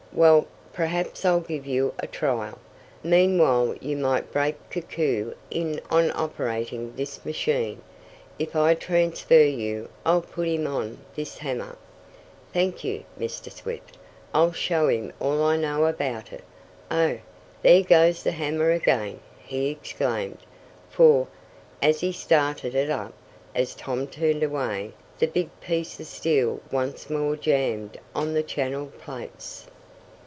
Well, perhaps I'll give you a trial. Meanwhile you might break Koku in on operating this machine. If I transfer you I'll put him on this hammer." "Thank you, Mr. Swift! I'll show him all I know about it. Oh, there goes the hammer again!" he exclaimed, for, as he started it up, as Tom turned away, the big piece of steel once more jammed on the channel plates.